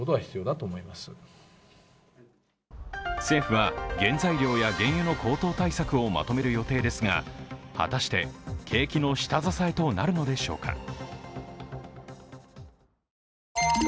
政府は原材料や原油の高騰対策をまとめる予定ですが果たして景気の下支えとなるのでしょうか。